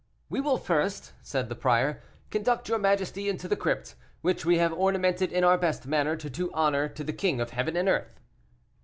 "We will first," said the prior, "conduct your majesty into the crypt, which we have ornamented in our best manner to do honor to the King of heaven and earth."